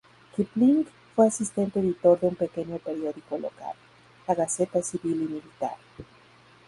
Kipling fue asistente editor de un pequeño periódico local, "La Gaceta Civil y Militar".